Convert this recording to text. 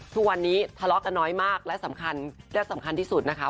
ทุกวันนี้ทะเลาะกันน้อยมากและสำคัญและสำคัญที่สุดนะคะ